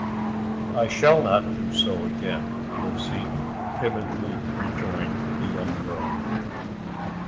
"I shall not do so again, Lucy," timidly rejoined the young girl.